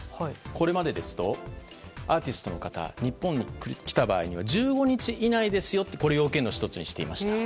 これまでですとアーティストの方日本に来た場合には１５日以内ですよということを要件の１つにしていました。